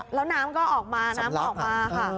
แล้วน้ำก็ออกมาน้ำก็ออกมาค่ะ